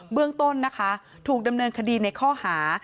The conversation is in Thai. เรื่องต้นนะคะถูกดำเนินคดีในข้อหา